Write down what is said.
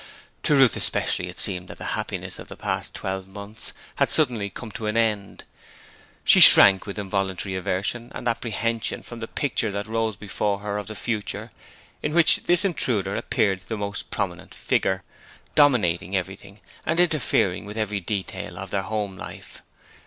To Ruth especially it seemed that the happiness of the past twelve months had suddenly come to an end. She shrank with involuntary aversion and apprehension from the picture that rose before her of the future in which this intruder appeared the most prominent figure, dominating everything and interfering with every detail of their home life.